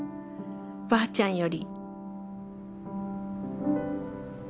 ばあちゃんより」。